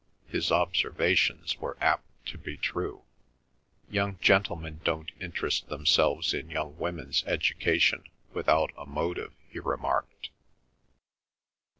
His observations were apt to be true. "Young gentlemen don't interest themselves in young women's education without a motive," he remarked.